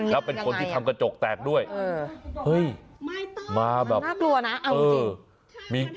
แล้วเป็นคนที่ทำกระจกแตกด้วยเฮ้ยมาแบบน่ากลัวนะ